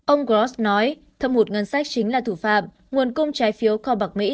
ông gross nói thâm hụt ngân sách chính là thủ phạm nguồn cung trái phiếu kho bạc mỹ